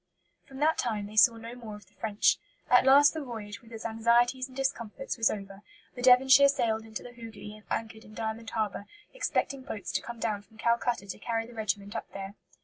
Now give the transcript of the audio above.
From that time they saw no more of the French. At last the voyage, with its anxieties and discomforts, was over; the Devonshire sailed into the Hoogli and anchored in Diamond Harbour, expecting boats to come down from Calcutta to carry the regiment up there.